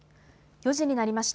４時になりました。